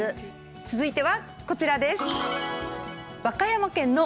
続いてはこちらです。